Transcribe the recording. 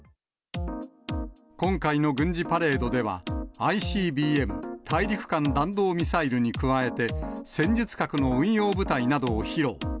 今回の軍事パレードでは、ＩＣＢＭ・大陸間弾道ミサイルに加えて、戦術核の運用部隊などを披露。